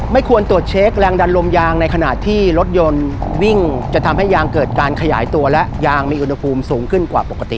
ควรตรวจเช็คแรงดันลมยางในขณะที่รถยนต์วิ่งจะทำให้ยางเกิดการขยายตัวและยางมีอุณหภูมิสูงขึ้นกว่าปกติ